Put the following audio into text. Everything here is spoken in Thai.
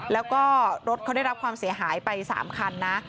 แล้วก็รถเขาได้รับความเสียหายไป๓คันนะ